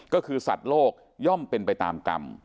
ก็คือสัตว์โลกย่อมเป็นไปตามกรรม